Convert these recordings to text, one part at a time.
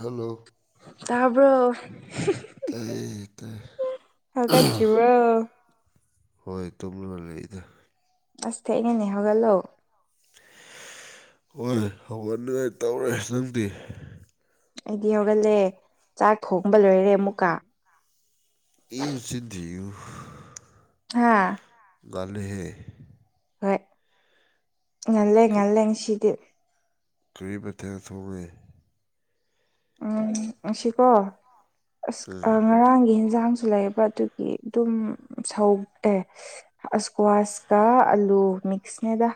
Hello ꯇꯕ ꯑꯦ ꯀ ꯍꯥꯏꯆ ꯋꯥ ꯍꯣꯏ ꯇꯨꯝꯂꯒ ꯂꯩꯗ ꯑꯁꯦ ꯏꯉꯅꯦ ꯍꯒꯂꯣ ꯍꯣꯏ ꯍꯧꯒꯠꯅꯤꯉꯥꯏ ꯇꯧꯔꯦ ꯅꯪꯗꯤ ꯑꯩꯗꯤ ꯍꯧꯒꯠꯂꯦ ꯆꯥꯛ ꯊꯣꯡꯕ ꯂꯣꯏꯔꯦ ꯑꯃꯨꯛꯀ ꯏ ꯁꯤꯗꯤꯤ ꯍꯥꯥ ꯂꯍꯦ ꯍꯣꯏ ꯉꯜꯂꯦ ꯉꯜꯂꯦ ꯉꯁꯤꯗꯤ ꯀꯔꯤ ꯃꯊꯦꯡ ꯊꯣꯡꯉꯦ ꯎꯝ ꯉ ꯁꯤꯀꯣ ꯎꯝ ꯑꯁ ꯉꯔꯥꯡꯒꯤ ꯏꯟꯁꯥꯡ ꯁꯨ ꯂꯩꯕ ꯑꯗꯨꯒꯤ ꯑꯗꯨꯝ ꯁꯧꯑꯦ ꯑꯁꯀ꯭ꯋꯥꯁꯀ ꯑꯂꯨ ꯃꯛꯁꯅꯦꯗꯥ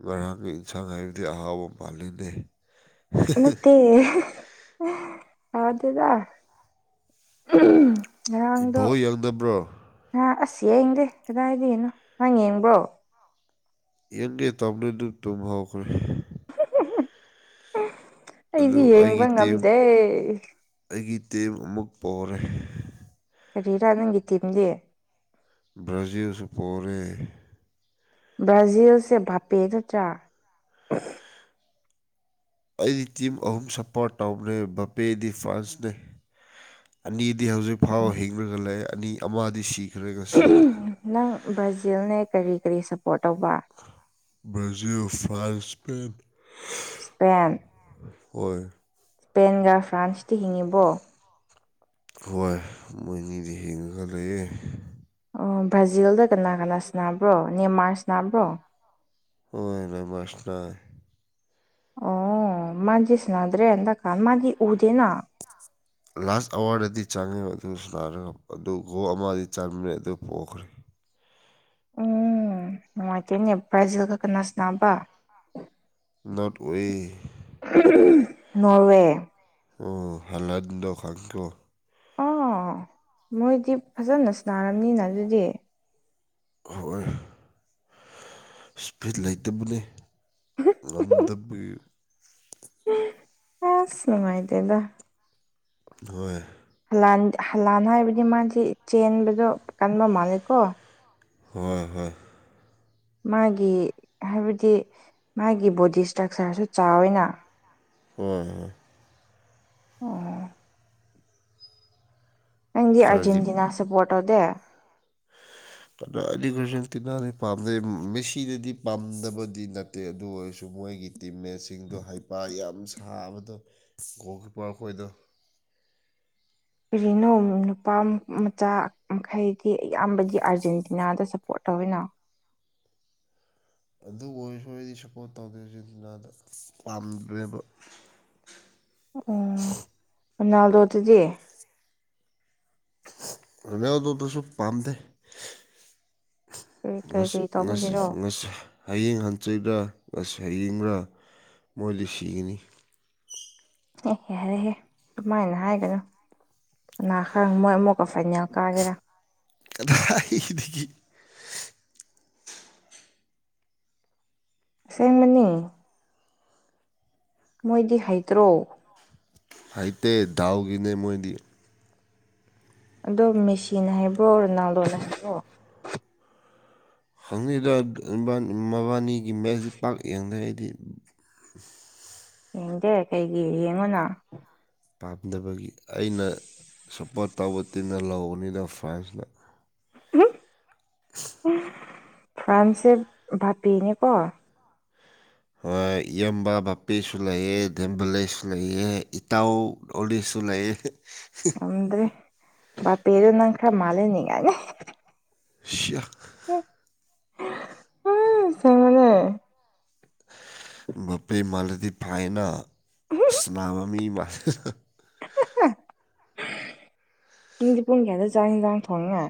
ꯉꯔꯥꯡꯒꯤ ꯏꯟꯁꯥꯡ ꯍꯥꯏꯕꯗꯤ ꯑꯍꯥꯎꯕ ꯃꯥꯜꯂꯤꯗꯦ ꯃꯦ ꯌꯥꯗꯦꯗ ꯉꯔꯥꯡꯗꯣ ꯕꯣꯜ ꯌꯦꯡꯗꯕ꯭ꯔꯣ ꯉꯔꯥꯡ ꯑꯁꯤ ꯌꯦꯡꯗꯦ ꯀꯗꯥꯏꯗꯅꯣ ꯅꯪ ꯌꯦꯡꯕꯣ ꯌꯦꯒꯦ ꯇꯕꯅꯤꯗꯨ ꯇꯈ꯭ꯔꯦ ꯑꯗꯨ ꯑꯩꯗꯤ ꯌꯦꯡꯕ ꯑꯩꯒꯤ ꯉꯝꯗꯦ ꯇ ꯑꯃꯃ ꯄꯣꯔ ꯀꯔꯤꯔꯥ ꯅꯪꯒꯤ ꯇꯤꯝꯗꯤ ꯭ꯔꯖꯤꯜꯁꯨ ꯄꯔꯦ ꯕ꯭ꯔꯥꯖꯤꯜꯁꯦ ꯚꯥꯞꯄꯦ ꯅꯠꯇ꯭ꯔꯥ ꯑꯩꯗꯤ ꯇꯤꯝ ꯑꯍꯨꯝ ꯁꯄꯣꯔꯠ ꯇꯧꯕꯅꯦ ꯕꯄꯦꯗꯤ ꯐ꯭ꯔꯥꯟꯁꯅꯦ ꯑꯅꯤ ꯗꯤ ꯍꯧꯖꯤꯛ ꯐꯥꯎꯕ ꯍꯤꯡꯅꯒ ꯂꯩ ꯑꯅꯤ ꯑꯃꯗꯤ ꯁꯤ ꯅꯪ ꯕ꯭ꯔꯥꯖꯤꯜꯅꯦ ꯀꯔꯤ ꯀꯔꯤ ꯁꯞꯄꯣꯔꯠ ꯇꯧꯕ ꯕꯔꯖꯤꯣ ꯐꯜꯁꯄꯦꯟ ꯏꯁꯄꯦꯟ ꯍꯣꯏ ꯏꯁꯄꯦꯟꯒ ꯐ꯭ꯔꯥꯟꯁꯇ ꯍꯤꯡꯉꯤꯕꯣ ꯍꯣꯏ ꯃꯣꯏꯅꯤꯗꯤ ꯍꯤꯡꯉꯒ ꯂꯩꯌꯦꯦ ꯑꯣ ꯕ꯭ꯔꯥꯖꯤꯜꯗ ꯀꯅꯥ ꯀꯅꯥ ꯁꯅꯥꯕ꯭ꯔꯣ ꯅꯦꯃꯥꯔꯁ ꯕ꯭ꯔꯣ ꯍꯣꯏꯅꯦꯣꯏ ꯃꯁꯔꯔ ꯑꯣ ꯃꯥꯖꯤ ꯁꯅꯥꯗ꯭ꯔꯦ ꯑꯦꯗ ꯀꯥ ꯃꯥ ꯎꯗꯦꯅ ꯂꯥꯁ ꯑꯦꯋꯥꯔꯗꯗꯤ ꯆꯪꯉꯤ ꯑꯗꯨ ꯁꯔꯒ ꯑꯗꯨ ꯒꯣ ꯑꯃꯗꯤ ꯆꯪꯃꯤꯟꯅꯩ ꯑꯗꯨ ꯄꯣꯛꯈ꯭ꯔꯦ [unintelligible] ꯎꯝ ꯅꯨꯡꯉꯥꯏꯇꯣꯏꯅꯦ ꯄ꯭ꯔꯥꯏꯖꯦꯜ ꯈꯀ ꯅꯁꯅꯥꯕ ꯅꯣꯔꯠ ꯑꯣꯏꯦ ꯅꯣꯔꯋꯦ ꯑꯣ ꯍꯜꯍꯟꯗꯣ ꯈꯪꯗꯣ ꯑꯥ ꯃꯣꯏꯗꯤ ꯐꯖꯅ ꯁꯅꯥꯔꯝꯅꯤꯅ ꯑꯗꯨꯗꯤ ꯍ ꯏꯁꯄꯤꯠ ꯂꯩꯇꯕꯅꯤ ꯉꯝꯗꯕꯒꯤ ꯑꯁ ꯅꯨꯡꯉꯥꯏꯗꯦꯗ ꯍꯣꯏ ꯍꯂꯥꯟ ꯍꯥꯏꯕꯗꯤ ꯃꯥꯁ ꯆꯦꯟꯕꯗꯣ ꯀꯟꯕ ꯃꯥꯜꯂꯦꯀꯣ ꯍꯣꯏ ꯍꯣꯏ ꯃꯥꯒꯤ ꯍꯥꯏꯕꯗꯤ ꯃꯥꯒꯤ ꯕꯣꯗꯤ ꯏꯁꯇ꯭ꯔꯛꯆꯔꯁꯨ ꯆꯥꯎ ꯑꯣꯏꯅ ꯎꯝ ꯑꯣ ꯅꯪꯗꯤ ꯈꯔꯗꯤ ꯑꯥꯔꯖꯦꯟꯇꯤꯅꯥ ꯁꯄꯣꯔꯠ ꯇꯧꯗꯦ ꯑ ꯑ ꯀꯁꯟ ꯇꯤꯟꯅꯗꯤ ꯄꯥꯝꯗꯩ ꯃꯦꯁꯤꯗꯗꯤ ꯄꯥꯝꯗꯕꯗꯤ ꯅꯠꯇꯦ ꯑꯗꯨ ꯑꯣꯏꯔꯁꯨ ꯃꯣꯏꯒꯤ ꯇꯤꯝꯃꯦꯠꯁꯤꯡꯗꯣ ꯍꯥꯏꯄꯥ ꯌꯥꯝ ꯁꯥꯕꯗꯣ ꯒꯣꯜ ꯀꯤꯞꯄꯔ ꯑꯩꯈꯣꯏꯗꯣ [unintelligible] ꯀꯔꯤꯅꯣ ꯅꯨꯄꯥ ꯃꯆꯥ ꯃꯈꯩꯗꯤ ꯑꯌꯥꯝꯕꯗꯤ ꯑꯥꯔꯖꯦꯟꯇꯤꯅꯥꯗ ꯁꯞꯄꯣꯔꯠ ꯇꯕꯤꯅꯥ ꯑꯗꯨ ꯑꯣꯏꯔꯁꯨ ꯑꯩꯗꯤ ꯁꯞꯄꯣꯔꯠ ꯇꯧꯗꯣꯏꯦ ꯁꯤꯗꯨꯅꯥꯗ ꯄꯥꯝꯗ꯭ꯔꯦꯕ ꯎꯝ ꯅꯗꯣꯇꯗꯤ ꯑꯗꯨ ꯑꯗꯨ ꯑꯗꯨ ꯑꯗꯨꯁꯨ ꯄꯥꯟꯝꯗ ꯀꯩ ꯀꯩ ꯇꯧꯕꯒꯤꯔꯣ ꯍꯌꯦꯡ ꯍꯟꯆꯩꯗꯁꯤ ꯁꯌꯦꯡꯒꯔ ꯃꯣꯏ ꯂꯤ ꯁꯤꯒꯅꯤ ꯑꯦꯍꯦ ꯍꯥꯏꯔꯦꯍꯦ ꯑꯗꯨꯃꯥꯏꯅ ꯍꯥꯏꯒꯅꯨ ꯀꯅꯥ ꯈꯪ ꯃꯣꯏ ꯑꯃꯨꯛꯀ ꯐꯥꯏꯅꯦꯜ ꯀꯥꯒꯦꯔꯥ ꯗꯒꯤ ꯁꯦꯝꯦꯃꯅꯤ ꯃꯣꯏꯗꯤ ꯍꯩꯇ꯭ꯔꯣ ꯑꯥꯏꯇꯩ ꯗꯥꯎꯒꯤꯅꯦꯦꯃꯣꯏꯗꯤ ꯑꯗꯣ ꯃꯦꯁꯤꯅ ꯍꯥꯏꯕ꯭ꯔꯣ ꯔꯣꯅꯥꯜꯗꯣꯅ ꯍꯥꯏꯕ꯭ꯔꯣ ꯍꯪꯅꯗ ꯃꯕꯥꯅꯤꯒꯤ ꯃꯦꯁꯁꯤ ꯄꯥꯛ ꯌꯦꯡꯗ ꯍꯥꯏꯗꯤ [inaudible] ꯌꯦꯡꯗꯦ ꯀꯩꯒꯤ ꯌꯦꯡꯉꯨꯅ ꯄꯥꯝꯗꯕꯒꯤ ꯑꯩꯅ ꯁꯞꯄꯣꯔꯠ ꯇꯧꯕ ꯇꯤꯟꯅ ꯂꯧꯕꯅꯤꯅ ꯐ꯭ꯔꯥꯟꯁꯅ ꯐ꯭ꯔꯥꯟꯁꯦ ꯕꯤꯅꯦ ꯀꯣ ꯌꯕꯥ ꯕꯥꯞꯄꯤꯁꯨ ꯂꯩꯑꯦ ꯝꯚꯂꯩꯁꯨ ꯂꯩꯑꯌꯦꯦ ꯏꯇꯥꯎ ꯑꯣꯁ ꯇ ꯂꯩ ꯑꯗ꯭ꯔꯦ ꯄꯦꯔꯅꯪꯈ꯭ꯔ ꯃꯥꯂꯦꯅꯤꯅꯦꯦ ꯁꯦꯛꯦꯛ ꯎ ꯁꯦꯡꯉꯅꯦ ꯕꯄꯦ ꯃꯂꯗꯤ ꯐꯥꯏꯅ ꯁꯅꯥꯕ ꯃꯤ ꯃ ꯗꯤ ꯄꯨꯨꯡ ꯀꯦꯌꯥꯗ ꯆ ꯂꯥꯡ ꯊꯣꯡꯉꯉ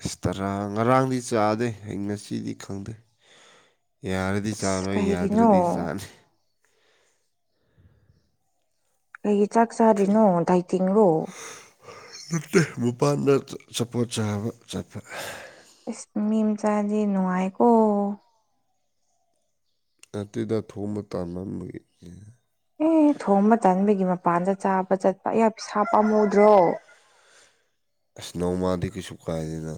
ꯑꯁ ꯇꯔꯥ ꯉꯔꯥꯡꯗꯤ ꯆꯥꯗꯦ ꯑꯩ ꯉꯁꯤꯗꯤ ꯈꯪꯗꯦ ꯌꯥꯔꯗꯤ ꯑꯁ ꯆꯥꯔꯣꯏ ꯀꯩꯒꯤꯅꯣ ꯌꯥꯗ꯭ꯔꯗꯤ ꯆꯥꯅꯤ ꯀꯩꯒꯤ ꯆꯥꯛ ꯆꯥꯗ꯭ꯔꯤꯅꯣ ꯗꯥꯏ ꯇꯤꯡꯂꯣ ꯠꯇ ꯃꯄꯥꯟꯗ ꯆꯄꯣꯠ ꯆꯥꯕ ꯆꯠꯄ ꯏꯁ ꯃꯤꯝꯆꯥꯥꯖꯤ ꯅꯨꯍꯀ ꯑꯗꯨꯗ ꯊꯣꯡꯕ ꯇꯥꯟꯒꯤ ꯑꯦ ꯊꯣꯡꯕ ꯇꯟꯕꯒꯤ ꯃꯄꯥꯟꯗ ꯆꯥꯕ ꯆꯠꯄ ꯑꯌꯥ ꯄ ꯁꯥꯥꯞ ꯄꯥꯝꯃꯨꯗ꯭ꯔꯣ ꯏꯁꯅꯣꯃꯗꯤ ꯀꯩꯁꯨ ꯀꯥꯏꯗꯅ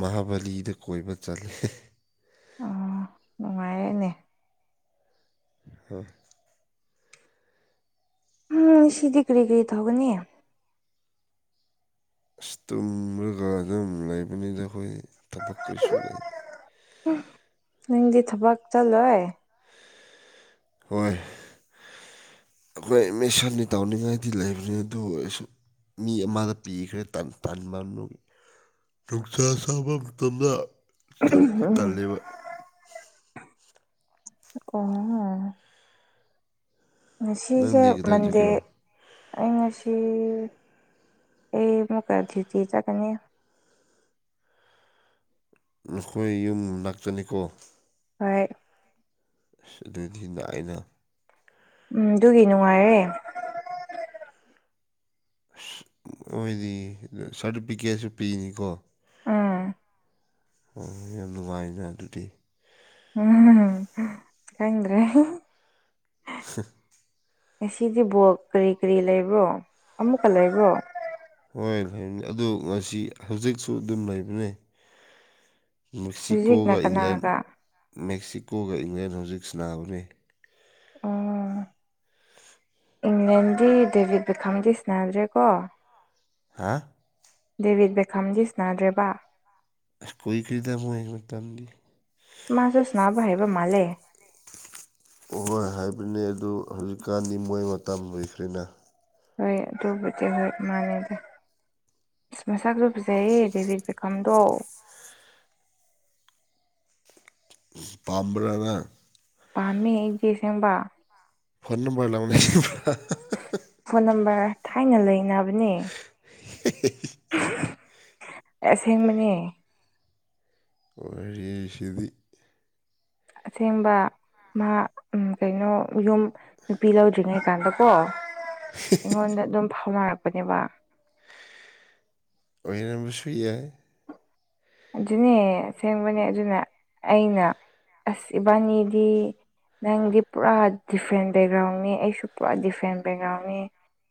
ꯃꯍꯥꯕꯂꯤꯗ ꯀꯣꯏꯕ ꯆꯂꯦ ꯑ ꯅꯨꯡꯉꯥꯏꯔꯦꯅꯦ ꯍꯣꯏ ꯎꯝ ꯁꯤꯗꯤ ꯀꯔꯤ ꯀ꯭ꯔꯤ ꯊꯧꯒꯅꯤ ꯑꯁ ꯇꯨꯝꯔꯒ ꯑꯗꯨꯝ ꯂꯩꯕꯅꯤꯗ ꯑꯩꯈꯣꯏ ꯊꯕꯛ ꯀꯔꯤꯁꯨ ꯂꯩꯇꯦ ꯅꯪꯗꯤ ꯊꯕꯛ ꯆꯠꯂꯣꯏ ꯍꯣꯏ ꯑꯩꯈꯣꯏ ꯃꯤꯁꯟꯅꯤ ꯇꯧꯅꯤꯡꯉꯥꯏꯗꯤ ꯂꯩꯕꯅꯤ ꯑꯗꯨꯁꯨ ꯃꯤ ꯑꯃꯗ ꯄꯤꯈ꯭ꯔꯦ ꯇꯥꯟ ꯃꯅꯨꯒꯤ ꯅꯨꯡꯁꯥ ꯁꯕ ꯇꯅ ꯆꯞ ꯇꯜꯂꯤꯕ ꯀꯣ ꯉꯁꯤꯁꯦ ꯅꯪꯗꯤ ꯀꯗꯥꯏ ꯃꯟꯗꯦ ꯆꯠꯀꯦꯔꯣ ꯑꯩ ꯉꯁꯤ ꯑꯩ ꯃꯨꯀ ꯗ꯭ꯌꯇꯤ ꯆꯠꯀꯅꯤ [unintelligible] ꯅꯈꯣꯏ ꯌꯨꯝ ꯂꯥꯛꯇꯅꯤꯀꯣ ꯇ ꯊꯗ ꯑꯏꯩꯅ ꯎꯝ ꯑꯗꯨꯒꯤ ꯅꯨꯡꯉꯥꯏꯔꯦ ꯑꯣꯏꯣꯏꯗꯤ ꯁꯥꯔꯇꯤꯐꯤꯀꯦꯠꯁꯨ ꯄꯤꯅꯤꯀꯣ ꯑꯥ ꯍ ꯌꯥꯝ ꯅꯨꯡꯉꯥꯏꯅꯦ ꯑꯗꯨꯗꯤ ꯎꯝ ꯀ꯭ꯔꯦ [unintelligible] ꯁꯤꯗꯤ ꯕꯣꯛ ꯀꯔꯤ ꯀꯔꯤ ꯂꯩꯕꯣ ꯑꯃꯨꯛꯀ ꯂꯩꯕꯣ ꯑꯗ ꯉꯁꯤ ꯍꯧꯖꯤꯛꯁꯨ ꯑꯗꯨꯝ ꯂꯩꯕꯅꯦ ꯍꯧꯖꯤꯛꯅ ꯃꯦꯛꯁꯤꯀꯣꯒ ꯏꯪꯂꯦꯟ ꯀꯅꯥꯒ ꯃꯦꯛꯁꯤꯀꯣꯒ ꯏꯪꯂꯦꯟ ꯍꯧꯖꯤꯛ ꯁꯥꯟꯕꯅꯤ ꯑꯣ ꯏꯪꯂꯦꯟꯗꯤ ꯗꯦꯕꯤꯠ ꯕꯦꯈꯥꯝꯗꯤꯁꯅꯥꯗ꯭ꯔꯦꯀꯣ ꯍꯥ ꯗꯦꯕꯤꯠ ꯕꯦꯈꯥꯝꯖꯤ ꯁꯟꯅꯗ꯭ꯔꯦꯕ ꯀꯣꯏ ꯀꯔꯤꯗꯣ ꯃꯔ ꯇꯝꯗꯤ ꯃꯥꯁꯅꯅꯥꯕ ꯍꯔꯤꯕ ꯃꯜꯦ ꯑꯍꯣꯏ ꯍꯥꯏꯕꯅꯤ ꯑꯗꯨ ꯍꯧꯖꯤꯛꯀꯥꯟꯗꯤ ꯃꯣꯏ ꯃꯇꯝ ꯂꯨꯏꯈ꯭ꯔꯦꯅ ꯍꯣꯏ ꯇꯨꯕ ꯆꯦ ꯍꯣꯏ ꯃꯥꯅꯦꯗ ꯑꯁ ꯃꯁꯛꯁꯨ ꯐꯖꯩꯌꯦ ꯗꯦꯕꯤꯠ ꯕꯤꯀꯝꯗꯣ ꯄꯥꯝꯕꯔꯅ ꯄꯝꯃꯤ ꯑꯩꯒꯤꯦꯁꯕ ꯐꯣꯟ ꯅꯝꯕꯔ ꯂꯅꯦ ꯐꯣꯟ ꯅꯝꯕꯔ ꯊꯥꯏꯅ ꯂꯩꯅꯕꯅꯦ ꯑꯁꯦꯡꯕꯅꯦ ꯑꯣꯔꯩ ꯁꯤꯗꯤ ꯁꯦꯡꯕ ꯃꯥ ꯎ ꯀꯩꯅꯣ ꯌꯨꯝ ꯅꯨꯄꯤ ꯂꯧꯗ꯭ꯔꯤꯉꯩ ꯀꯥꯟꯗꯀꯣ ꯑꯩꯉꯣꯟꯗ ꯑꯗꯨꯝ ꯐꯥꯎꯅꯔꯛꯄꯅꯦꯕ ꯑꯣꯏꯍꯅꯕꯨ ꯁꯨꯏꯌꯦ ꯑꯗꯨꯅꯦ ꯑꯁꯦꯡꯕꯅꯦ ꯑꯗꯨꯅ ꯑꯩꯅ ꯑꯁ ꯏꯕꯥꯅꯤꯗꯤ ꯅꯪꯗꯤ ꯄꯨꯔꯥ ꯗꯤꯐ꯭ꯔꯦꯟ ꯕꯦꯛꯒ꯭ꯔꯥꯎꯟꯅꯤ ꯑꯩꯁꯨ ꯄꯨꯔꯥ ꯗꯤꯐ꯭ꯔꯦꯟ ꯕꯦꯛꯒ꯭ꯔꯥꯎꯟꯅꯤ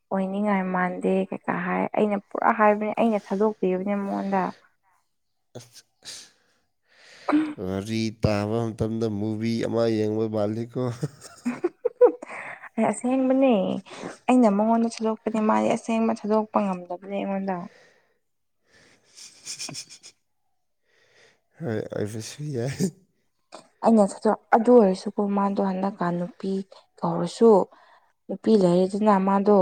ꯑꯣꯏꯅꯤꯡꯉꯥꯏ ꯃꯥꯟꯗꯦ ꯀꯩꯀꯥ ꯍꯥꯏ ꯑꯩꯅ ꯄꯨꯔꯥ ꯍꯥꯏꯕꯅꯦ ꯑꯩꯅ ꯊꯥꯗꯣꯛꯄꯤꯕꯅꯤ ꯃꯉꯣꯟꯗ ꯔꯤꯠ ꯇꯥꯕ ꯃꯇꯝꯗ ꯃꯨꯚꯤ ꯑꯃ ꯌꯦꯡꯕ ꯕꯥꯂꯤꯀꯣ [inaudible] ꯑꯩ ꯑꯁꯦꯡꯕꯅꯦ ꯑꯩꯅ ꯃꯉꯣꯟꯗ ꯊꯥꯗꯣꯛꯄꯅꯦ ꯃꯥꯗꯤ ꯑꯁꯦꯡꯕ ꯊꯥꯗꯣꯛꯄ ꯉꯝꯗꯕꯅꯦ ꯑꯩꯉꯣꯟꯗ [inaudible] [inaudible] ꯣꯏꯁꯨꯏ ꯑꯩꯅ ꯆ ꯑꯗꯨ ꯑꯣꯏꯔꯁꯨꯀ ꯃꯥꯗꯣ ꯍꯟꯗꯛꯀ ꯅꯨꯄꯤ ꯀꯧꯔꯁꯨ ꯅꯨꯄꯤ ꯂꯩꯔꯤꯗꯨꯅ ꯃꯥꯗꯣ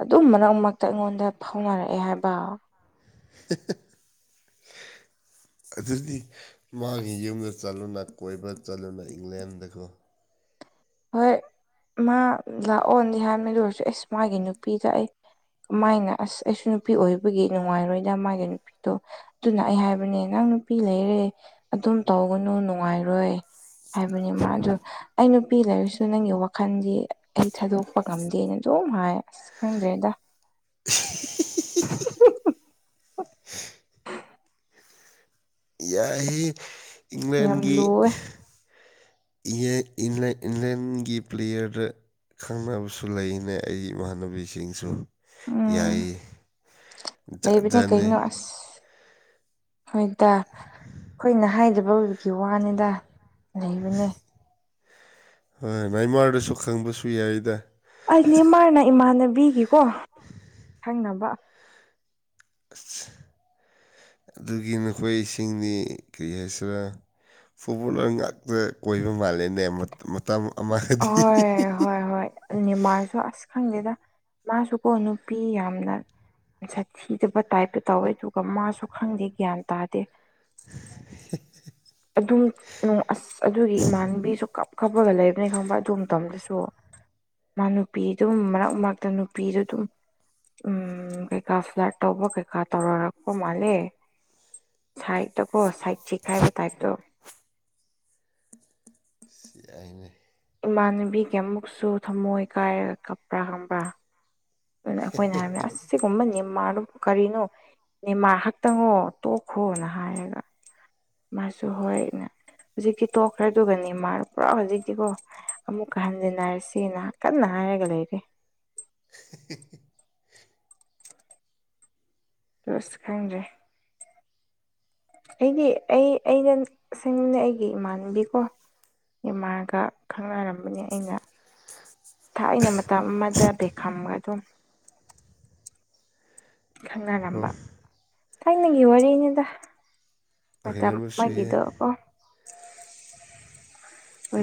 ꯑꯗꯨꯝ ꯃꯔꯛ ꯃꯔꯛꯇ ꯑꯩꯉꯣꯟꯗ ꯐꯥꯎꯅꯔꯛꯑꯦ ꯍꯥꯏꯕ [inaudible] [inaudible] ꯑꯗꯨꯗꯤ ꯃꯥꯒꯤ ꯌꯨꯝꯗ ꯆꯠꯂꯨꯅ ꯀꯣꯏꯕ ꯆꯠꯂꯨꯅ ꯏꯪꯂꯦꯟꯗꯀꯣ ꯍꯣꯏ ꯃꯥ ꯂꯥꯛꯑꯣꯗꯤ ꯍꯥꯏꯃꯦ ꯂꯔꯁꯨ ꯑꯦꯁ ꯃꯥꯒꯤ ꯅꯨꯄꯤꯗ ꯑꯩ ꯃꯥꯏꯅ ꯑꯁ ꯑꯩꯁꯨ ꯅꯨꯄꯤ ꯑꯣꯏꯕꯒꯤ ꯅꯨꯡꯉꯥꯏꯔꯣꯏꯗ ꯃꯥꯒꯤ ꯅꯨꯄꯤꯗꯣ ꯑꯗꯨꯅ ꯑꯩ ꯍꯥꯏꯕꯅꯦ ꯅꯪ ꯅꯨꯄꯤ ꯂꯩꯔꯦ ꯑꯗꯨꯝ ꯇꯧꯒꯅꯨ ꯅꯨꯡꯉꯥꯏꯔꯣꯏ ꯍꯥꯏꯕꯅꯦ ꯃꯥ ꯑꯗꯨ ꯑꯩꯅ ꯅꯨꯄꯤ ꯂꯩꯔꯁꯨ ꯅꯪꯒꯤ ꯋꯥꯈꯜꯗꯤ ꯑꯩ ꯊꯥꯗꯣꯛꯄ ꯉꯝꯗꯦꯅ ꯑꯗꯨꯝ ꯍꯥꯏ ꯑꯁ ꯈꯪꯗ꯭ꯔꯦꯗ [inaudible] [inaudible] [inaudible] ꯌꯥꯏ ꯌꯥꯝ ꯏꯪꯂꯦꯟꯒꯤ ꯂꯨꯋꯦ ꯏ ꯏꯟꯂꯦꯟꯒꯤ ꯄ꯭ꯂꯦꯌꯔꯗ ꯈꯪꯅꯕꯁꯨ ꯂꯩꯅꯦ ꯑꯩ ꯏꯃꯥꯟꯅꯕꯤꯁꯤꯡꯁꯨ ꯌꯥꯏ ꯎꯝ ꯖꯠ ꯂꯩꯕꯅꯦ ꯖꯠꯅꯤ ꯀꯩꯅꯣ [inaudible] ꯍꯣꯏꯗ ꯑꯩꯈꯣꯏꯅ ꯍꯥꯏꯗꯕ ꯑꯣꯏꯕꯒꯤ ꯋꯥꯅꯤꯗ ꯂꯩꯕꯅꯦ ꯍꯣꯏ ꯏꯃꯥꯔꯗꯁꯨ ꯈꯪꯕꯁꯨ ꯌꯥꯏꯗ ꯑꯩ ꯅ ꯃꯥꯅ ꯏꯃꯥꯟꯅꯕꯤꯒꯤꯀꯣ ꯊꯪꯅꯕ ꯑ ꯑꯗꯨꯒꯤ ꯅꯈꯣꯏ ꯏꯁꯤꯡꯗꯤ ꯀꯔꯤ ꯍꯥꯏꯁꯤꯔ ꯐꯨꯠꯕꯣꯜꯂꯔ ꯉꯥꯛꯇ ꯀꯣꯏꯕ ꯃꯥꯜꯂꯦꯅꯦ ꯃꯇꯝ ꯑꯃꯗꯤ ꯍ ꯍ ꯍꯃꯥꯁꯨ ꯈꯪꯗꯦꯗ ꯃꯥꯁꯨꯀꯣ ꯅꯨꯄꯤ ꯌꯥꯝꯅ ꯁꯥ ꯊꯤꯗꯕ ꯇꯥꯏꯞꯇ ꯇꯧꯋꯦ ꯑꯗꯨꯒ ꯃꯥꯁꯨ ꯈꯪꯗꯦ ꯒ꯭ꯌꯥꯟ ꯇꯥꯗꯦ ꯑꯗꯨꯝ ꯑꯁ ꯑꯗꯨꯒꯤ ꯏꯃꯥꯟꯕꯤꯁꯨ ꯀꯥꯞ ꯈꯛꯄꯒ ꯂꯩꯕꯅꯤ ꯈꯪꯕ ꯑꯗꯨ ꯃꯇꯝ ꯃꯇꯝꯗꯁꯨ ꯃꯥ ꯅꯨꯄꯤꯗꯨꯝ ꯃꯔꯛ ꯃꯔꯛꯇ ꯅꯨꯄꯤꯗꯨ ꯑꯗꯨꯝ ꯎꯝ ꯀꯩꯀꯥ ꯐ꯭ꯂꯥꯠ ꯇꯧꯕꯣ ꯀꯩꯀꯥ ꯇꯔ ꯔꯥꯛꯣ ꯃꯥꯂꯦ ꯊꯥꯏꯗꯇ ꯀꯣ ꯊꯥꯏꯗꯁꯤꯈꯥꯏꯕ ꯇꯥꯏꯇꯣ ꯁꯤ ꯑꯩꯅ ꯏꯃꯥꯟꯅꯕꯤꯒꯤ ꯑꯃꯨꯛꯁꯨ ꯊꯝꯃꯣꯏ ꯀꯥꯏꯔꯒ ꯀꯞꯄ꯭ꯔꯥ ꯈꯪꯕ꯭ꯔꯥ ꯑꯗꯨꯅ ꯑꯩꯈꯣꯏꯅ ꯍꯥꯏꯕꯅꯦ ꯑꯁ ꯁꯤꯒꯨꯝꯕꯅꯦ ꯅꯦꯃꯔ ꯗꯨ ꯀꯔꯤꯅꯣ ꯅꯦꯃꯔ ꯈꯛꯇꯪꯉꯣ ꯇꯣꯛꯈꯣꯅ ꯍꯥꯏꯔꯒ ꯃꯥꯁꯨ ꯍꯣꯏꯅ ꯍꯧꯖꯤꯛꯀꯤ ꯇꯣꯛꯈ꯭ꯔꯗꯨꯒꯅꯦ ꯅꯦꯃꯥꯔ ꯄꯨꯔꯥ ꯍꯧꯖꯤꯛꯇꯤꯀꯣ ꯑꯃꯨꯛꯀ ꯍꯟꯖꯤꯟꯅꯔꯁꯤꯅ ꯀꯟꯅ ꯍꯥꯏꯔꯒ ꯂꯩꯔꯦ [unintelligible] ꯑꯁ ꯈꯪꯗ꯭ꯔꯦ ꯑꯩꯗꯤ ꯑꯩ ꯑꯩꯅꯁꯦꯡꯅꯦ ꯑꯩꯒꯤ ꯏꯃꯥꯟꯅꯕꯤꯀꯣ ꯅꯦꯃꯥꯔꯒ ꯈꯪꯅꯔꯝꯕꯅꯤ ꯑꯩꯅ ꯊꯥꯏꯅ ꯃꯇꯝ ꯑꯃꯗ ꯕꯦꯛꯈꯝꯒ ꯑꯗꯨꯝ ꯈꯪꯅꯔꯝꯕ ꯍꯣꯏ ꯊꯥꯏꯅꯒꯤ ꯋꯥꯔꯤꯅꯤꯗ ꯃꯇꯝ ꯑꯃ ꯑꯣꯏꯔꯝꯕꯁꯨ ꯌꯥꯏ ꯒꯤꯗꯨ ꯀꯣ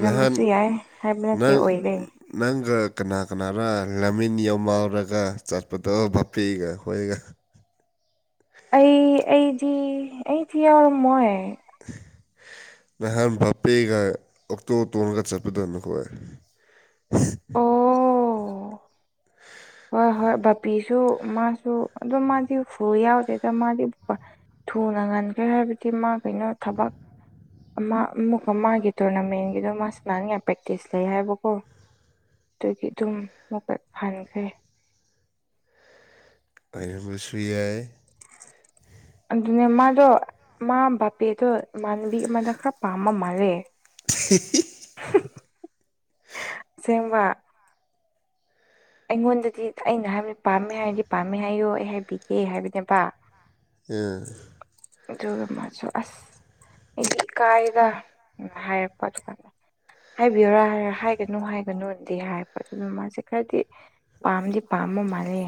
ꯉꯍꯥꯟ ꯌꯥꯏ ꯍꯥꯏꯕ ꯅꯠꯇꯦ ꯅꯪ ꯑꯣꯏꯔꯦ ꯅꯪ ꯀꯅꯥ ꯀꯅꯥꯅ ꯂꯃꯤꯟ ꯌꯧꯃꯥꯎꯔꯒ ꯆꯠꯄꯗꯣ ꯚꯞꯄꯤꯒ ꯍꯣꯏꯒ ꯑꯩ ꯑꯩꯗꯤ ꯑꯩꯗꯤ ꯌꯥꯎꯔꯝꯃꯣꯏ [unintelligible] ꯅꯍꯥꯟ ꯚꯥꯄꯦꯒ ꯑꯣꯛꯇꯣ ꯇꯣꯡꯒ ꯆꯠꯄꯗꯣ ꯅꯈꯣꯏ ꯑꯣ ꯍꯣꯏ ꯍꯣꯏ ꯕꯥꯄꯦꯁꯨ ꯃꯥꯁꯨ ꯑꯗꯨꯝ ꯃꯥꯗꯤ ꯐꯨꯜ ꯌꯥꯎꯗꯦꯗ ꯃꯥꯗꯤ ꯊꯨꯅ ꯉꯟꯈ꯭ꯔꯦ ꯍꯥꯏꯕꯗꯤ ꯃꯥ ꯀꯩꯅꯣ ꯊꯕꯛ ꯑꯃꯨꯛ ꯃꯥꯒꯤ ꯇꯣꯔꯅꯥꯃꯦꯟꯒꯤꯗꯣ ꯃꯥ ꯁꯥꯅꯅꯤꯡꯉꯥꯏ ꯄ꯭ꯔꯦꯛꯇꯤꯁ ꯂꯩ ꯍꯥꯏꯕꯀꯣ ꯑꯗꯨꯒꯤ ꯑꯗꯨꯝ ꯃꯨꯛꯀ ꯍꯟꯈ꯭ꯔꯦ ꯑꯩꯕꯨ ꯁꯨꯏ ꯌꯥꯏ [unintelligible] ꯑꯗꯨꯅꯦ ꯃꯥꯗꯣ ꯃꯥ ꯕꯕꯦꯗꯣ ꯏꯃꯥꯟꯅꯕꯤ ꯑꯃꯗ ꯈꯔ ꯄꯥꯝꯕ ꯃꯥꯜꯂꯦ [unintelligible] [unintelligible] [unintelligible] ꯑꯩꯉꯣꯟꯗꯗꯤ ꯑꯩꯅ ꯍꯥꯏꯕꯅꯤ ꯄꯥꯝꯃꯦ ꯍꯥꯏꯔꯗꯤ ꯄꯥꯝꯃꯦ ꯍꯥꯏꯌꯨ ꯑꯩ ꯍꯥꯏꯕꯤꯒꯦ ꯍꯥꯏꯕꯅꯦꯕ ꯑꯦ ꯑꯗꯨꯒ ꯃꯥꯁꯨ ꯑꯁ ꯑꯩꯗꯤ ꯏꯀꯥꯏꯗ ꯍꯥꯏꯔꯛꯄ ꯑꯗꯨ ꯀꯥꯟ ꯍꯥꯏꯕꯤꯌꯨꯔꯥ ꯍꯥꯏꯔ ꯍꯥꯏꯒꯅꯨ ꯍꯥꯏꯒꯅꯨꯅꯗꯤ ꯍꯥꯏꯔꯄ ꯑꯗꯨꯅ ꯃꯥꯁꯦ ꯈꯔꯗꯤ ꯄꯝꯗꯤ ꯄꯝꯕ ꯃꯥꯜꯂꯦ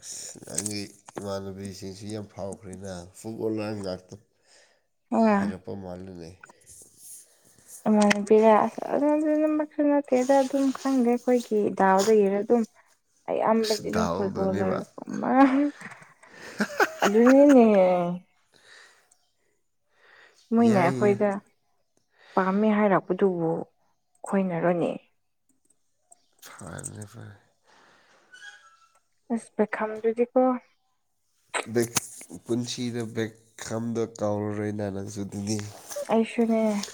ꯑꯁ ꯅꯪꯒꯤ ꯏꯃꯥꯟꯅꯕꯤꯁꯤꯡꯁꯨ ꯌꯥꯝ ꯐꯥꯎꯈ꯭ꯔꯦꯅ ꯐꯨꯠꯕꯣꯜ ꯂꯔ ꯉꯥꯛꯇ ꯑꯥ ꯍꯥꯏꯔꯛꯄ ꯃꯥꯜꯂꯅꯦ꯫ ꯎꯝ ꯍꯥꯏꯕꯤꯔꯦ ꯑꯁ ꯑꯗꯨꯅ ꯑꯗꯨꯃꯛꯁꯨ ꯅꯠꯇꯦꯗ ꯑꯗꯨꯝ ꯈꯪꯗꯦ ꯑꯩꯈꯣꯏꯒꯤ ꯗꯥꯎꯗꯨ ꯌꯦꯡꯉ ꯑꯗꯨꯝ ꯑꯩ ꯑꯁ ꯑꯕꯗꯤ ꯗꯥꯎꯗꯅꯦꯕ ꯐꯨꯠꯕꯣꯂꯔꯒꯨꯝꯕ ꯑꯗꯨꯅꯤꯅꯦ ꯎꯝ ꯃꯣꯏꯅ ꯌꯥꯏ ꯌꯥꯏ ꯑꯩꯈꯣꯏꯗ ꯄꯥꯝꯃꯦ ꯍꯥꯏꯔꯛꯄꯗꯨꯕꯨ ꯈꯣꯏꯅꯔꯣꯅꯦ [unintelligible] ꯑꯁ ꯄꯩꯈꯝꯗꯨꯗꯤꯀꯣ ꯄꯨꯟꯁꯤꯗ ꯕꯦꯛ ꯈꯝꯗ ꯀꯥꯎꯔꯔꯣꯏ ꯅꯪꯁꯨ ꯑꯗꯨꯗꯤ ꯑꯩꯁꯨꯅꯦ